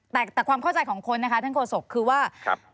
แต่ความเข้าใจของคนนะคะท่านโฆษกคือว่า